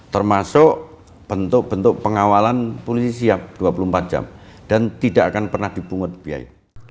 termasuk bentuk bentuk pengawalan polisi siap dua puluh empat jam dan tidak akan pernah dipungut biaya